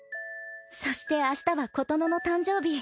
そして明日は琴乃の誕生日。